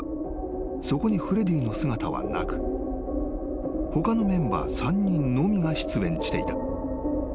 ［そこにフレディの姿はなく他のメンバー３人のみが出演していた］